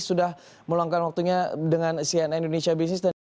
sudah meluangkan waktunya dengan cnn indonesia business